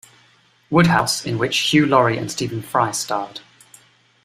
Wodehouse, in which Hugh Laurie and Stephen Fry starred.